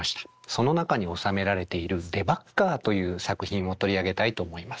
その中に収められている「デバッガー」という作品を取り上げたいと思います。